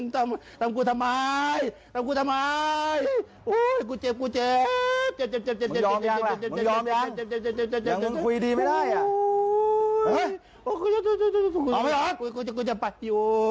ทำกูทำไม